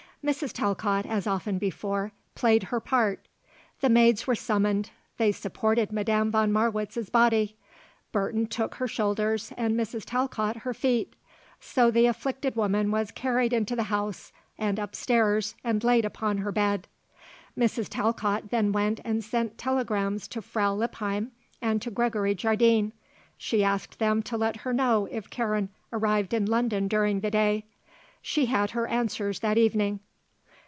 Mrs. Talcott, as often before, played her part. The maids were summoned; they supported Madame von Marwitz's body; Burton took her shoulders and Mrs. Talcott her feet. So the afflicted woman was carried into the house and upstairs and laid upon her bed. Mrs. Talcott then went and sent telegrams to Frau Lippheim and to Gregory Jardine. She asked them to let her know if Karen arrived in London during the day. She had her answers that evening.